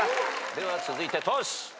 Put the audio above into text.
では続いてトシ。